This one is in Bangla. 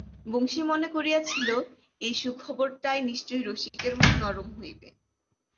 বংশী মনে করিয়াছিল এই সুখবরটায় নিশ্চয়ই রসিকের মন নরম হইবে।